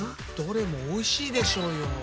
どれもおいしいでしょうよ。